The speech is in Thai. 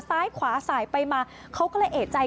ซ้ายขวาสายไปมาเขาก็เลยเอกใจ